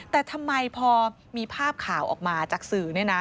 แต่ทำไมพอมีภาพข่าวออกมาจากสื่อ